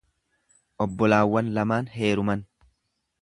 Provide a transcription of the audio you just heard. Obbolaawwan lamaan heeruman.